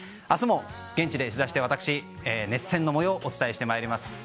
明日も現地で取材して私が熱戦の模様をお伝えしてまいります。